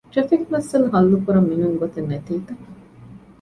ޓްރެފިކް މައްސަލަ ހައްލުކުރަން މި ނޫން ގޮތެއް ނެތީތަ؟